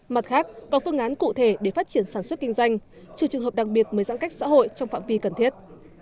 mặt khác có phương án cụ thể để phát triển sản xuất kinh doanh trừ trường hợp đặc biệt mới giãn cách xã hội trong phạm vi cần thiết